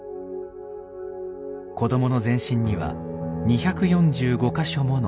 子どもの全身には２４５か所もの傷。